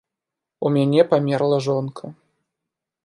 У мяне памерла жонка.